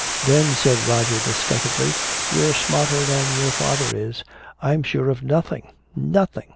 "Then," said Roger disgustedly, "you're smarter than your father is. I'm sure of nothing nothing!